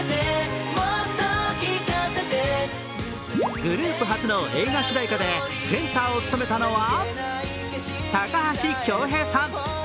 グループ初の映画主題歌でセンターを務めたのは高橋恭平さん。